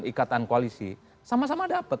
ikatan koalisi sama sama dapat